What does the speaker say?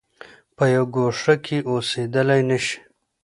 په یوه ګوښه کې اوسېدلای نه شي.